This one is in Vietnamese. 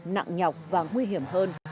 nặng nhọc và nguy hiểm hơn